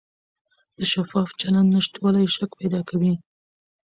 د شفاف چلند نشتوالی شک پیدا کوي